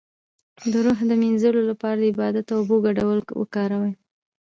د روح د مینځلو لپاره د عبادت او اوبو ګډول وکاروئ